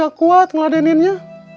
saya gak kuat ngeladeninnya